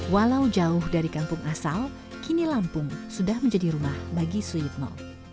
walau jauh dari kampung asal kini lampung sudah menjadi rumah bagi suyitno